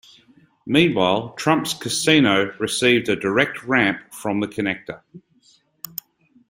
Meanwhile, Trump's casino received a direct ramp from the connector.